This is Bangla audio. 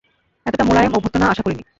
এতোটা মোলায়েম অভ্যর্থনা আশা করিনি!